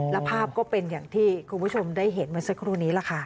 แล้วภาพก็เป็นอย่างที่คุณผู้ชมได้เห็นเมื่อสักครู่นี้แหละค่ะ